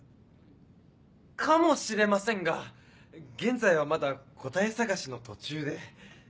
かもしれませんが現在はまだ答え探しの途中で。